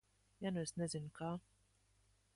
Ja nu es nezinu, kā?